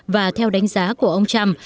và theo đánh giá của ông trump